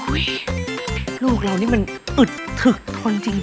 ลูกเรานี่มันอึดถึกทนจริง